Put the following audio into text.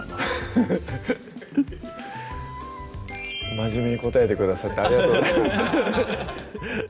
フフフ真面目に答えてくださってありがとうございます